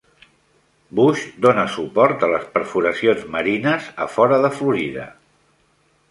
Bush dona suport a les perforacions marines a fora de Florida.